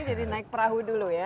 jadi naik perahu dulu ya